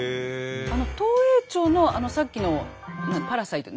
あの東栄町のさっきのパラサイト？